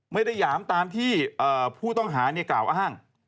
หยามตามที่ผู้ต้องหากล่าวอ้าง